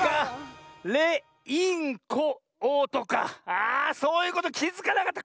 あそういうこときづかなかった。